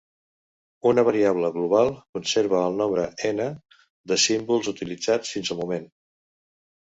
Una variable global conserva el nombre "n" de símbols utilitzats fins al moment.